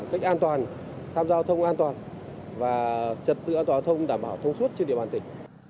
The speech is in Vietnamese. cách an toàn tham gia giao thông an toàn và trật tựa giao thông đảm bảo thông suốt trên địa bàn tỉnh